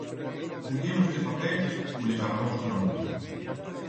U tien usté papels u li calamos una multa.